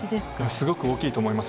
すごく大きいと思います。